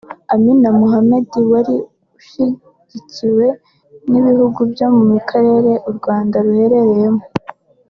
Amina Mohammed wari ushyigikiwe n’ibihugu byo mu karere u Rwanda ruherereyemo